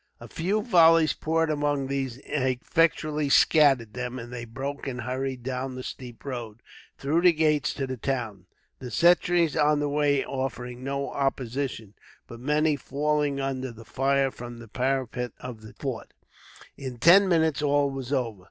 A few volleys poured among these effectually scattered them, and they broke and hurried down the steep road, through the gates to the town, the sentries on the way offering no opposition, but many falling under the fire from the parapet of the fort. In ten minutes, all was over.